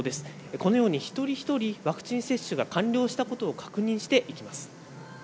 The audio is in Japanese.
このように一人一人ワクチン接種が完了したことを確認していきます。